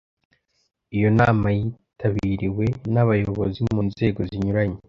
iyo nama yitabiriwe n'abayobozi mu nzego zinyuranye